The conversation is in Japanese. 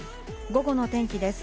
午後の天気です。